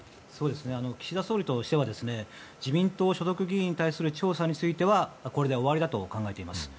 岸田総理としては自民党所属議員に対する調査についてはこれで終わりだと考えています。